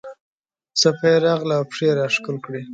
څپه یې راغله او پښې یې راښکل کړې.